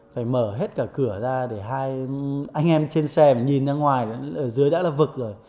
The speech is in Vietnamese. phải mở hết cả cửa ra để hai anh em trên xe nhìn ra ngoài ở dưới đã là vực rồi